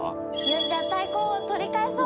じゃあ太鼓を取り返そう！